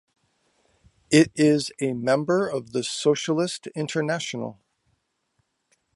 It is a member of the Socialist International.